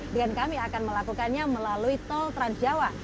dan kami akan melakukannya melalui tol trans jawa